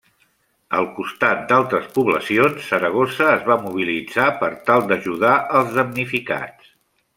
Al costat d'altres poblacions, Saragossa es va mobilitzar per tal d'ajudar els damnificats.